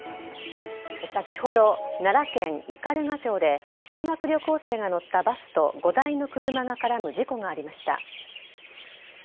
先ほど、奈良県斑鳩町で修学旅行生が乗ったバスと５台の車が絡む事故がありました。